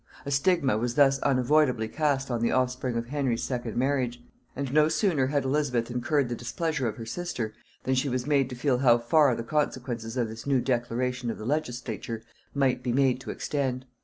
A stigma was thus unavoidably cast on the offspring of Henry's second marriage; and no sooner had Elizabeth incurred the displeasure of her sister, than she was made to feel how far the consequences of this new declaration of the legislature might be made to extend.